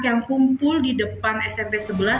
yang kumpul di depan smp sebelas